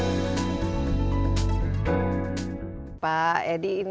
kulin kk ini juga menemukan kehutanan